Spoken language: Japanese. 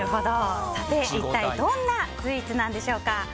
さて、一体どんなスイーツなんでしょうか。